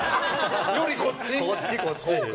より、こっち？